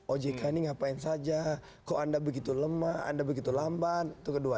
ojk ini ngapain saja kok anda begitu lemah anda begitu lambat itu kedua